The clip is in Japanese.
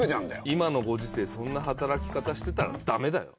今のご時世そんな働き方してたらダメだよ？